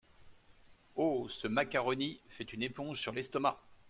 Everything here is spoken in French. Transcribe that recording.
Oh ! ce macaroni fait une éponge sur l’estomac !